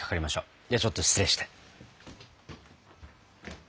ではちょっと失礼して。